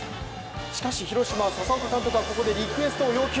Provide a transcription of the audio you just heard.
しかし広島、佐々岡監督がここでリクエスト要求。